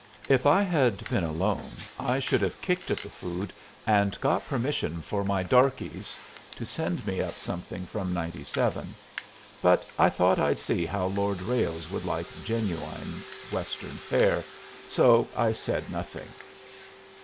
If I had been alone, I should have kicked at the food and got permission for my darkies to send me up something from 97; but I thought I'd see how Lord Ralles would like genuine Western fare, so I said nothing.